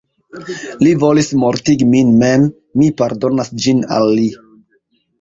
Li volis mortigi min mem, mi pardonas ĝin al li.